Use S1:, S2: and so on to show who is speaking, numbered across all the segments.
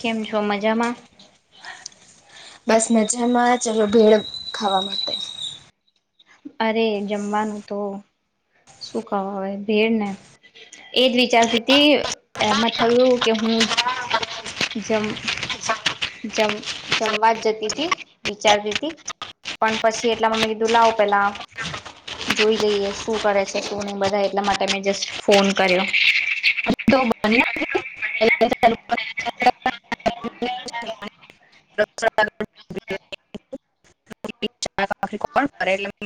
S1: કેમ છો? મજામાં.
S2: બસ મજામાં ચાલો ભેડ ખાવા માટે.
S1: અરે જમાનું તો શું કવ હવે ભેડ ને એજ વિચારતી હતી એમાં થયું કે હું જમ જમ જમવા જ જતી ત વિચારતી હતી પણ પછી એટલામાં મેં કીધું લાવો પેલા જોઈ લઈએ શું કરે છે શું નહી બધા એટલા માટે મેં જસ્ટ ફોન કર્યો.
S2: તો બની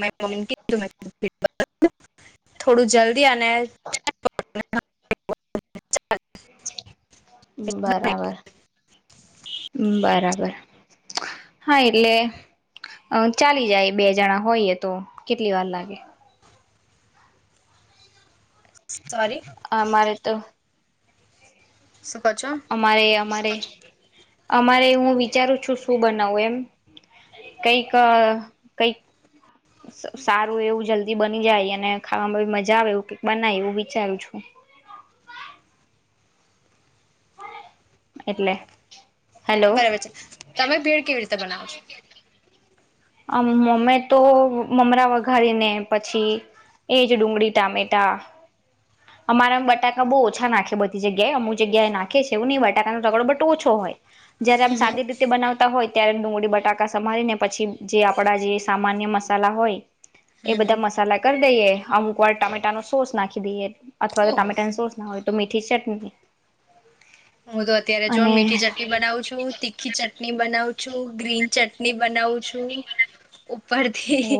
S2: લે થોડું જલ્દી અને.
S1: બરાબર, બરાબર. હા એટલે અ ચાલી જાય બે જણા હોઈએ તો કેટલી વાર લાગે.
S2: સોરી
S1: અ મારે. તો.
S2: શું કહો છો
S1: અમારે અમારે. અમારે હું વિચારું છું શું બનાવું એમ કઈક અ કઈક સારું એવું જલ્દી બની જાય અને ખાવામાં મજા આવે એ ક બનાય એવું વિચારું છું. એટલે. હેલો
S2: બરાબર છે તમે ભીડ કેવી રીતે બનાવ છો?
S1: આમ મમે તો મમરા વઘારી ને પછી એજ ડુંગળી ટામેટા. અમારા બટાકા બહુ ઓછા નાખે બધી જગ્યાએ અમુ જગ્યાએ એ નાખે છે એવું નહીં બટાકાનો ટગડો બટો ઓછો હોય. જયારે આમ
S2: હમ
S1: સાદી રીતે બનાવતા હોય. ત્યારે ડુંગળી બટાકા સમારીને પછી જે આપડા જે સામાન્ય મસાલા હોય. એ
S2: હમ હમ
S1: બધા મસાલા કર દઈએ અમુક વાર ટામેટા નો સોસ નાખી દઈએ. અથવા તો
S2: ઓહો
S1: ટમેટાની સોસ ના હોય તો મીઠી ચટણી.
S2: હું તો અત્યારે
S1: અને
S2: જોન મીઠી ચટણી બનાવું છું તીખી ચટણી બનાવુ. છુ ગ્રીન ચટ ની બનાવું છું ઉપરથી
S1: ઓ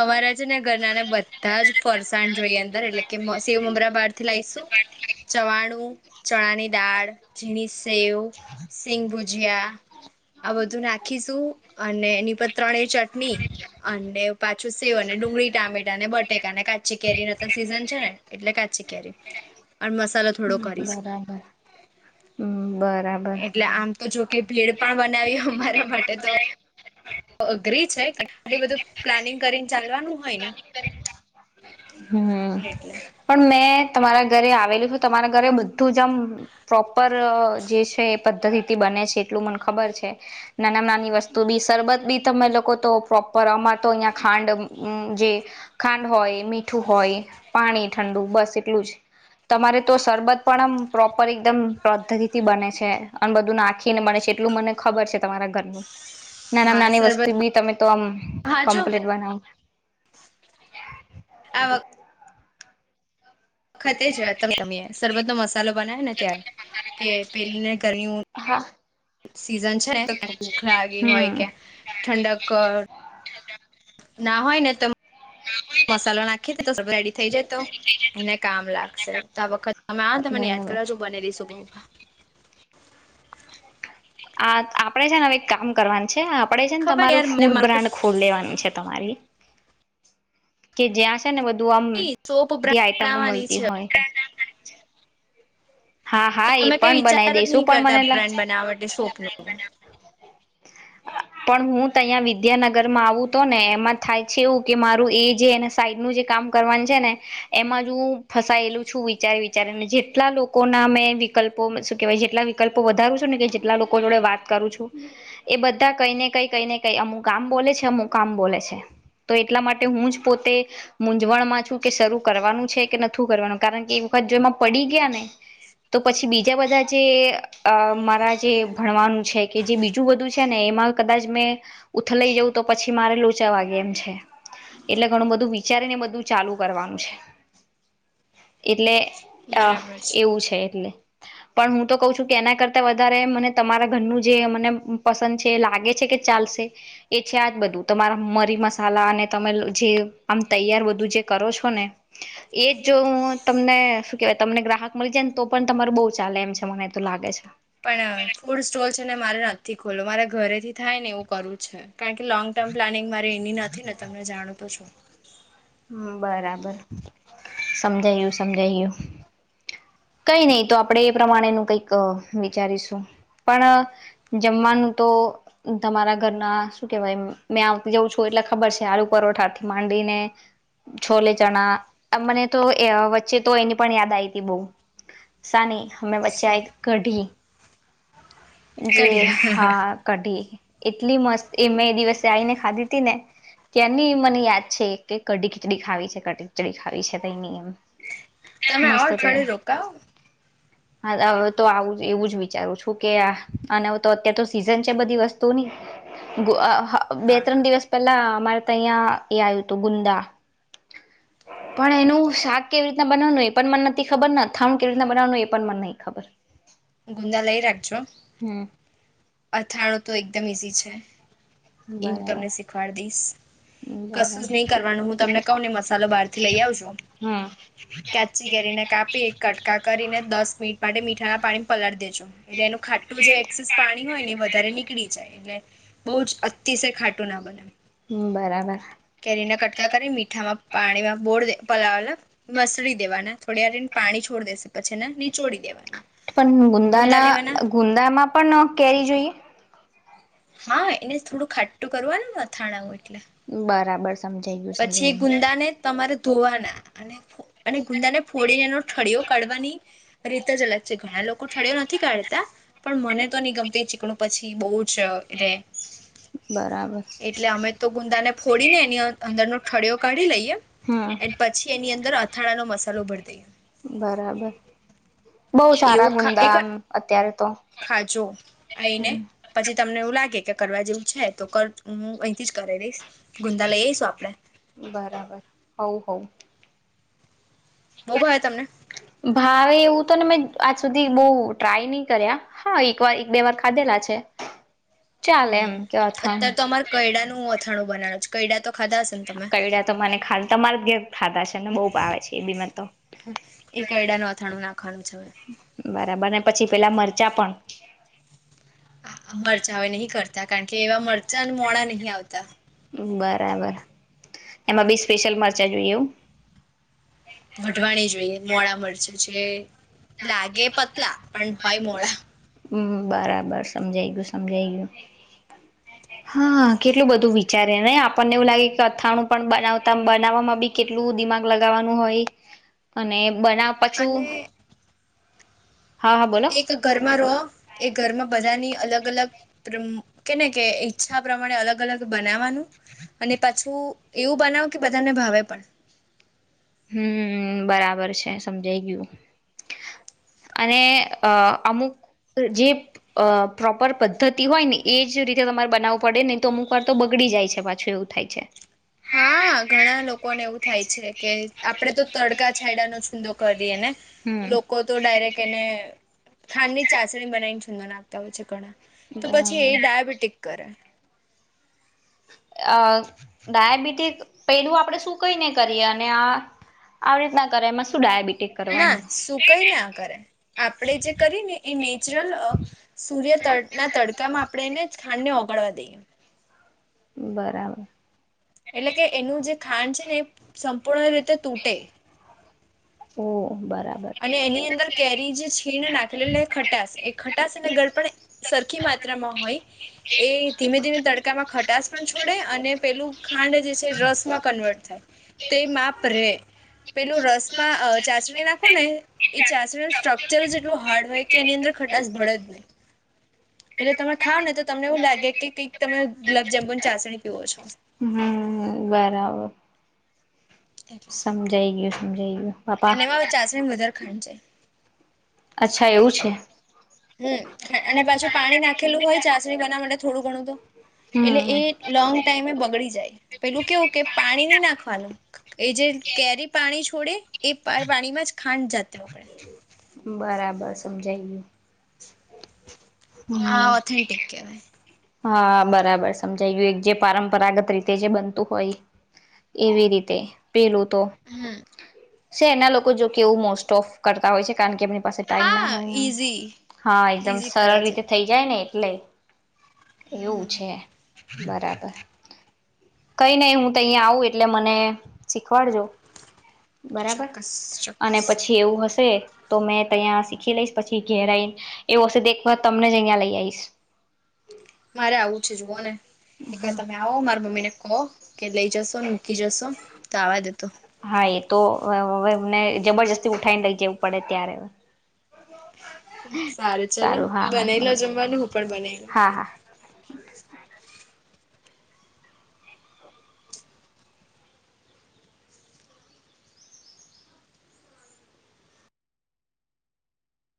S2: અમારા છે ને ઘરનાને બધા જ ફરસાણ જોઈએ અંદર એટલે કે સેવ મમરા બાર થી લાવશું ચવાણું ચણાની દાળ ઘની સેવ, સિંગ ભુજિયા આ બધું નાખીશું. અને એની પર ત્રણ એવું ચટણી અને પાછું સેવ અને ડુંગળી ટામેટા અને બટેકાને કાચી કેરી ના તો સીઝન છે ને એટલે કા ચી કેરી. અને મસાલો થોડો કરીશું.
S1: હમ્મ બરાબર.
S2: એટલે આમ તો જોકે ભેડ પણ બનાવ્યું અમારા માટે તો અઘરી છે કે આટલી બધું પ્લાનિંગ કરીને ચાલવાનું. હોને.
S1: હમ, પણ મેં તમારા ઘરે આવેલું હું તમારા ઘરે બધું જ આમ પ્રોપર જે છે એ પદ્ધતિથી બને છે એટલું મને ખબર છે, નાનામાં નાની વસ્તુ બી સરબત બી તમે લોકો તો પ્રોપર અમાર તો અહંયા ખાંડ જે, ખાંડ હોય એ ઠું હોય, પાણી ઠંડુ બસ એટલું જ, તમારે તો શરબત પણ આમ પ્રોપર એકદમ પદ્ધતિથી બને છે, અને બધું નાખીને બને છે એટલું મને ખબર છે તમારા ઘરનું. નાનામા
S2: હા
S1: નાની વસ્તુ
S2: સરબત
S1: બી તમે તો આમ
S2: હા જો
S1: કમ્પ્લીટ બનાવો.
S2: હ [unintelligible] વખતે જસરરબત નો મસાલો બનાય ને ત્યારે કે, પેલીને ગરમી
S1: હા
S2: સીઝન છેને તો ક ભૂખલાાગી હોય
S1: હમ
S2: કે ઠંડક ના હોય ને ત મસાલો નાખ્યે તો રેડી થઇ જાય તો, એને કામ લાગશે, તો આ વખત તમે આને તને યાદ
S1: બરાબર
S2: કરાવજો બનાવી દઈશુ. [inaudible] બા [inaudible]
S1: આ આપડે છેને હવે કામ કરવાનું છે આપડે છે ને
S2: ખબર યાર
S1: તમારું
S2: મને
S1: ફૂડ
S2: મારું
S1: બ્રાન્ડ ખોલી લેવાનું છે તમારી કે જેયાં છે ને બધું આમ,
S2: કે સોપ
S1: બધી
S2: બ્રાન્ડ
S1: આઈટમો
S2: બનાવવાની
S1: મળતી
S2: છે
S1: હોય. હા
S2: તો
S1: હા એ
S2: અમે કંઈ
S1: પણ બનાવી
S2: વિચાર જ
S1: દઈશું
S2: નહી
S1: પણ
S2: કરતાં
S1: મને
S2: બ્રાન્ડ બનાવવા માટે, સોપ નો
S1: પણ હું તયાં અહીં વિદ્યાનગર માં આવું તો ને એમાં થાય છે એવું કે, મારું એ જેને સાઈડ નું જે કામ કરવાનું છે, ને એમાં જ હું ફસાયેલું છું વિચારે વિચારીને જેટલા લોકો લોકો ના મેં વિકલ્પો શું કેહેવાય જેટલા વિકલ્પો વધારું છું ને કે જેટલા લોકો જોડે વાત કરું છું, એ બધા કઈ ને કઈ કઈ ને કઈ અમુક આમ બોલે છે અમુક આમ બોલે છે, તો એટલા માટે હું જ પોતે મૂઝવણમાં છું કે, શરૂ કરવાનું છે કે નથુ કરવાનું કારણ કે એ વખત જો એમાં પડી ગયા ને તો પછી બીજા બધા જે મારા જે ભણવાનું છે કે જે બીજું બધું છે ને એમાં કદાચ મેં, ઉથલાઈ જઉં તો પછી મારે લોચાવાગે એમ છે, એટલે ઘણું બધું વિચારીને બધું ચાલુ કરવાનું છે, એટલે અ
S2: બરાબર છે.
S1: એવું છે એમને. પણ હું તો કહ છું કે એના કરતા વધારે મને તમારા ઘરનું જે મને પસંદ છે લાગે છે કે ચાલશે, એ છે આજ બધું તમારા મરી મસાલા અને તમે જે આમ તૈયાર બધું જે કરો છો ને, એજ જો હું તમને શું કેવાય તમને ગ્રાહક મળી જાય ને તો પણ તમારુ બઉુ ચાલે એમ છે મને એ તો લાગે છે.
S2: પણ ફૂડ સ્ટોલ છે ને મારે ના તે ખોલો મારે ઘરે થી થાય ને એવું કરવું છે, કારણ કે લોંગ ટર્મ પ્લાનિંગ મા એની નથી ને તમને જાણું તો છું.
S1: હમમ બરાબર સમજાયું સમજાયું. કંઈ નહી તો આપણેે એ પ્રમાણે ન કંઈક વિચારીશું, પણ જમવાનું તો તમારા ઘરના શું કેવાય મેં આવતી જઉં છું એટલે ખબર છે. આલુ પરોઠાથી માંડીને, છોલે ચણા મને તો વચ્ચે તો એની પણ યાદ આવી હતી બહુ. સાની? અમે
S2: સો
S1: બચ્ચ્યાં એક કઢી જે
S2: કરીએ
S1: હા
S2: તમે
S1: કઢી. એટલી મસ્ત એ મેં એ દિવસે આવીને ખાધી હતી ને, ત્યાંની મને યાદ છે કે કઢી ખીચડી ખાવી છે કઢી ખીચડી ખાવી છે કઈ નહી એમ. મસ્ત
S2: આવો
S1: હતી
S2: થોડી રોકાવ?
S1: હા હવે તો આવું એવું જ વિચારું છું કે આ અને હ તો અત્યારે તો સીઝન છે બધી વસ્તુઓની. [inaudible] અઅ બે
S2: હા
S1: ત્રણ દિવસ પેલા મારે તો અહિયાં એ આવ્યું હતું ગુંદા, પણ એનું શાક કેવી રીતના બનાવવાનું એ પણ મન નથી ખબર અથાણું કેવી રીતના બનાવાનું એ પણ મન નઈ ખબર.
S2: ગુડા લઈ રાખ છો.
S1: હમ.
S2: અથાડો તો એકદમ ઈઝી છે. એ હું
S1: બરાબર
S2: તમને શીખવાડડી દઈશ, કશું
S1: બરાબર
S2: જ નહી કરવાનું હું તમને કહું ને મસાલો બહાર થી લઈ આવજો, કાચી કેરીને કાપી કટકા કરીને દસ મિનિટ માટે મીઠા ના પાણી પલળ દે. એટલે એનું ખાટું એક્સ પાણી હોય ને એ વધારે નીકળી જાય, એટલે બહુ જ અતિશય ખાટું ના બને.
S1: હમ બરાબર
S2: કટકા કરી મીઠામાં પાણીમાં બોળે પલાલા મસરી દેવાના થોડી વાારીને પાણી છોડી દેશે પછી ને નીચોડી દેવાનું.
S1: પણ ગુંદાના ગુંદામાં પણ કેરી જોઈએ?
S2: હા એને થોડું ખાટું કરવાનું અથાણા હોય.
S1: બરાબર સમજાઈ ગયું છે એમ.
S2: ગુંદાને તમારે ધોવાના અને અને ગુંદાને ફોડીને એનો ઠળીઓ કાઢવાની, રીત જ અલગ છે ઘણા લોકો ઠળીયો નથી કાઢતા પણ મને તો નહી ગમતી ચીકણું પછી બહુ જ ે [unintelligible]
S1: બરાબર
S2: એટલે અમે તો ગુંદાને ફોડીને એની અંદરનો ઠળિયો કાઢી લઈએ, એ
S1: હમ
S2: પછી એની અંદર અથાણા નો મસાલો ભર દઈએ.
S1: બરાબર. બહ
S2: એવું
S1: સારા
S2: ખા
S1: ગુંદા
S2: એક
S1: એમ
S2: વાર
S1: અત્યારે તો,
S2: ખાજો
S1: હ.
S2: આઈને પછી તમને એવું લાગે કે કરવા જેવું છે તો કર હું અહીંથી જ કર દઈશ. ગુંદા લઈ આવીશું આપડે
S1: બરાબર હો હો.
S2: બહુ ભાવે તમને
S1: ભાવ એવું. તને મેં આજ સુધી બહ ટ્રાય નહી કર્યા હા એક વાર એક બે વાર ખાધેલા છે. ચાલે એમ
S2: હમ
S1: કે અથાણ
S2: અત્ય્યારે તો અમારે કયડા નું અથણું બનાવ છે. કૈડા તો ખાધા હશે ને તમે
S1: કયડા તો મને ખા તમારા ઘેર ખાધા છે ને બોવ ભાવે છે એ બી મે તો.
S2: એ કૈડાનું અથાણું નાખવાનું છે હવે
S1: બરાબર ને પછી પેલા મર ચા પણ.
S2: મરચાં હવે નહીં કરતા કારણ કે એવા મરચાં મોડા નહી આવતા.
S1: બરાબર એમાં બી સ્પેશિયલ મરચાં જોઈ એવું.
S2: વઢવાણી જોઈએ મોડા મરચા. જે લાગે પતલા પણ હોય મોળા.
S1: હમ્મ બરાબર સમજાઈ ગયું સમજાઈ ગયું હા કેટલું બધું વિચારે ને આપણને એવું લાગે કે અથાણું પણ બનાવતા બનાવવામાં બી કેટલું દિમાગ લગાવવાનું હોય અને. બના પછું.
S2: અને
S1: હા હા બોલો
S2: એક ઘરમાં રહો. એ ઘરમાં બધાની અલગ અલગ કેને કે ત્રમ ઈચ્છા પ્રમાણે અલગ અલગ બનાવાનું અને પાછું એવું બનાવ કે બધાને ભાવે પણ.
S1: હમ બરાબર છે સમજાઈ ગયું, અને અ અમુક જે પ્રોપર પદ્ધતિ હોય ને એજ રીતે તમારે બનાવવું પડે નહી તો અમુક વાર તો બગડી જાય છે પાછું એવું થાય છે.
S2: હા ઘણા લોકોને એવું થાય છે કે આપડે તો તડકા છાયડા નો છૂંદો કર ને,
S1: હમ
S2: લોકો તો ડાયરેક્ટ એને ખાંડની ચાસણી બનાવીને સુંન આપતા હોય છે ઘણા. તો પછી એ
S1: બરાબર
S2: ડાયાબિટીક કરે.
S1: અ ડાયાબિટીસ પેલું આપડે શું કઈ નઈ કરીએ અને આવી રીતના કરે એમાં શું ડાયાબિટી.
S2: ના શું કઈ ના આ કરે આપણેે જે કરી ને એ નેચરલ, સૂર્ય ત ના તડકામાં આપણે એને જ ખાંડને ઓગળવા દઈએ.
S1: બરાબર.
S2: એટલે કે એનું જે ખાંડ છે ને એ સંપૂર્ણ રીતે તૂટે.
S1: ઓહ બરા
S2: અને એની અંદર કેરી જે છીણ નાખેલી ખટાસ એ ખટાસ અને ગળ પણ સરખી માત્રામાં હોય, એ ધીમે ધીમે તડકામાં ખટાસ પણ છોડે અને પેલું ખાંડ જે છે રસ માં કન્વર્ટ થાય, તે માપ રે. પેલું રસમાં ચાચણી ના ખો ને એ ચાસણી ન સ્ટ્રકચર જ એટું હાર્ડ હોય કે એની અંદર ખટશ ભળે જ નહી, એટલે તમે ખાવ ને તો તમને એવું લાગે કે કંઈક તમે ગુલાબજામુન ચાસણી પીવો છો.
S1: હમ બરાબર.
S2: એટલે
S1: સમજાઈ ગયું. જઇવા.
S2: અને એમાં ચાસણી વધારે ખાંડ છે.
S1: અચ્છા એવું છે.
S2: ખા- અને પાછું પાણી નાખેલું હોય ચાસણી બનાવા માટે થોડું ઘણું તો. એટલે એ
S1: હમ
S2: લોંગ ટાઈમે બ બગળી જાય પેલું કેવું કે પાણી નહી નાખવાનું એ જે કેરી પાણી છોડે એ પાણીમાં જ ખાંડ જાતે ઓગળે.
S1: બરાબર સમજાયું.
S2: આ ઓથેન્ટિક કેવાય.
S1: હા બરાબર સમજાય ગયું એક જે પરંપરાગત રીતે જે બનતું હોય એવી રીતે. પેલું તો.
S2: હમ
S1: શહેરના લોકો જો કે એવું મોસ્ટ ઓફ કરતા હોય છે કારણ કે એમ પાસે ટાઈમ ના
S2: હા
S1: હોય ને
S2: ઈઝી
S1: હા એકદમ
S2: ઈઝી
S1: સરળ
S2: કરવા
S1: રીતે
S2: જઈ
S1: થઈ જાય ને. લે. એવું
S2: હમ
S1: છે. બરાબર. કઈ નઈ હું તયી આવું એટલે મને શીખવાડજો. બરાબર
S2: ચોક્કસ
S1: અને
S2: ચોક્કસ
S1: પછી એવું હશે શે તો મેં ત્યાં શીખી લઈશ પછી ઘેરાઈ આઈ એવું હશે તો તમને જ અહયા લઈ આઈશ.
S2: મારે આવું છે જુઓ ને. એક વાર
S1: હા
S2: તમે આવો મારા મમ્મી ને કો કે લઈ જશોને મૂકી જશો તો આવા દતો.
S1: હા એ તો હ એમને જબરજસ્તી ઉઠાવને લઇ જવું પડે ત્યારે.
S2: સારું ચલો
S1: હા હા
S2: બનાયલો જમવાનું હું પણ બના લઉ.
S1: હા હા